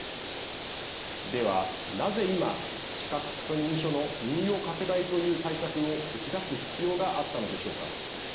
では、なぜ今資格確認書の運用拡大という対策を打ち出す必要があったのでしょうか。